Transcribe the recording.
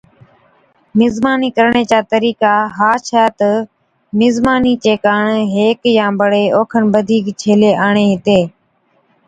مزمانِي ڪرڻي چا طرِيقا ها ڇَي تہ مزمانِي چي ڪاڻ ھيڪ يا بڙي اوکن بڌِيڪ ڇيلي آڻي ھِتين